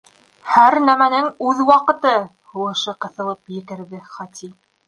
— Һәр нәмәнең үҙ ваҡыты, — һулышы ҡыҫылып екерҙе Хати.